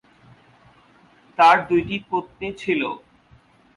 তার দুইটি পত্নী ছিল।